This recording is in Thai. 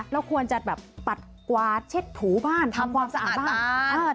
แล้วควรจะแบบปัดกวาดเช็ดถูบ้านทำความสะอาดบ้าง